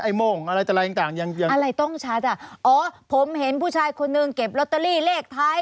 ไอโม่งอะไรต่างอะไรต้องชัดอ่ะอ๋อผมเห็นผู้ชายคนหนึ่งเก็บลอตเตอรี่เลขไทย